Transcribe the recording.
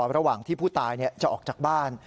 ระหว่างที่ผู้ตายจะออกจากบ้าน